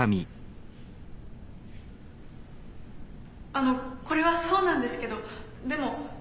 あのこれはそうなんですけどでも。